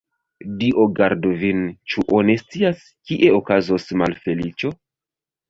Dio gardu vin, ĉu oni scias, kie okazos malfeliĉo?